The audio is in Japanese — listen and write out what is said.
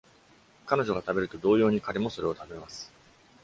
彼女が食べると、同様に彼もそれを食べます。